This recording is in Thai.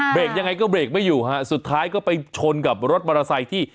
ยังไงก็เบรกไม่อยู่ฮะสุดท้ายก็ไปชนกับรถมอเตอร์ไซค์ที่